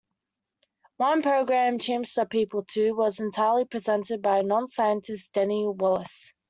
One programme "Chimps are people too" was entirely presented by a non-scientist, Danny Wallace.